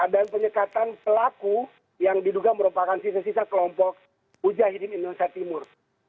dan penyekatan pelaku yang diduga merupakan sisa sisa kelompok mujahidin indonesia timur